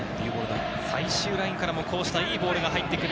最終ラインからもこうしたいいボールが入ってくる。